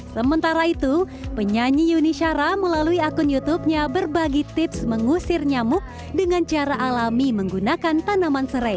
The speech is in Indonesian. sementara itu penyanyi yuni syara melalui akun youtubenya berbagi tips mengusir nyamuk dengan cara alami menggunakan tanaman serai